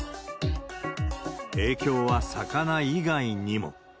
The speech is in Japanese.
影響は魚以外にも。